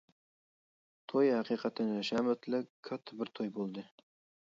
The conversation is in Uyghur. توي ھەقىقەتەن ھەشەمەتلىك، كاتتا بىر توي بولدى.